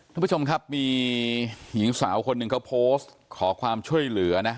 ท่านผู้ชมครับมีหญิงสาวคนหนึ่งเขาโพสต์ขอความช่วยเหลือนะ